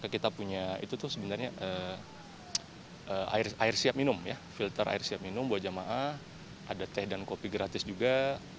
kita punya air siap minum filter air siap minum buah jamaah ada teh dan kopi gratis juga